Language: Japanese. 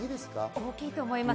大きいと思います。